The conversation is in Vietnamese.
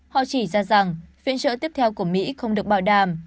họ chỉ ra rằng viện trợ tiếp theo của mỹ không được bảo đảm